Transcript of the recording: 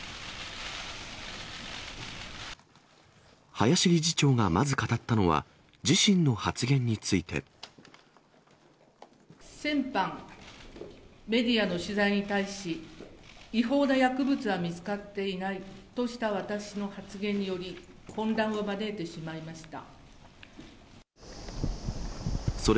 林理事長がまず語ったのは、先般、メディアの取材に対し、違法な薬物は見つかっていないとした、私の発言により、混乱を招いてしまいました。